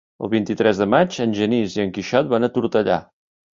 El vint-i-tres de maig en Genís i en Quixot van a Tortellà.